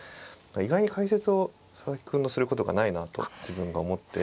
意外に解説を佐々木君のすることがないなと自分が思って。